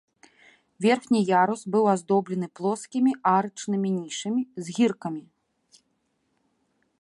Верхні ярус быў аздоблены плоскімі арачнымі нішамі з гіркамі.